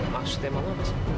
maksudnya mama apa sih